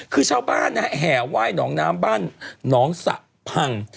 คือชาวบ้านนะฮะแห่ไหว้หนองน้ำบ้านหนองสะพัง